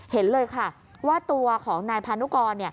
เห็นเลยค่ะว่าตัวของนายพานุกร